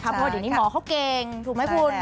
เพราะว่าเดี๋ยวนี้หมอเขาเก่งถูกไหมคุณ